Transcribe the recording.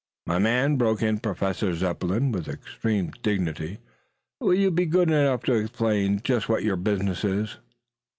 "My man," broke in Professor Zepplin, with extreme dignity, "will you be good enough to explain just what your business is?"